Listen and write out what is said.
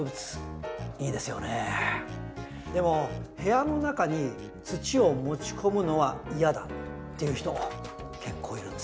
でも「部屋の中に土を持ち込むのは嫌だ」っていう人結構いるんです。